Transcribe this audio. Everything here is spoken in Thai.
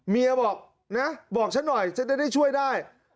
เมียบอกบอกฉันน่ะจะได้ช่วยได้